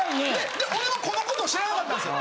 で俺はこの事を知らなかったんすよ。